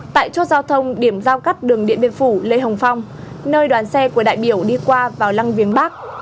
tại chốt giao thông điểm giao cắt đường điện biên phủ lê hồng phong nơi đoàn xe của đại biểu đi qua vào lăng viếng bắc